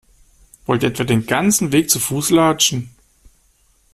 Wollt ihr etwa den ganzen Weg zu Fuß latschen?